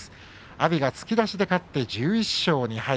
阿炎が突き出しで勝って１１勝２敗。